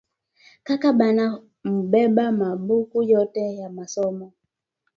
Kaka bana mubeba ma buku yote ya masomo